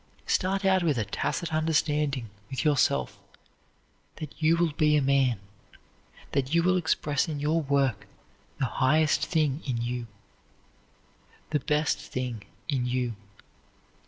Start out with a tacit understanding with yourself that you will be a man, that you will express in your work the highest thing in you, the best thing in you.